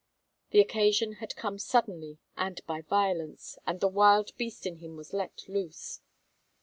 The occasion had come suddenly and by violence, and the wild beast in him was let loose.